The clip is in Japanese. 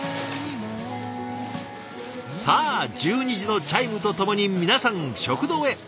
さあ１２時のチャイムとともに皆さん食堂へ。